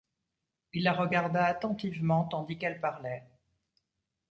Il la regarda attentivement tandis qu’elle parlait.